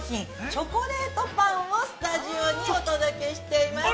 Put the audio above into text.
チョコレートパンをスタジオにお届けしています。